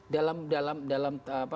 dalam dalam dalam